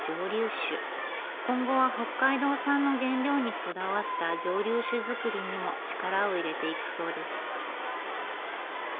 今後は北海道産の原料にこだわった蒸留酒造りにも力を入れていくそうです。